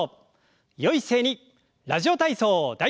「ラジオ体操第１」。